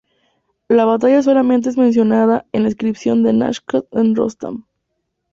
La batalla solamente es mencionada en la inscripción de Naqsh-e Rostam.